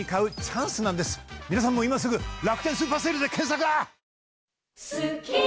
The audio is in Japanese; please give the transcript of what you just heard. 皆さんも今すぐ「楽天スーパーＳＡＬＥ」で検索！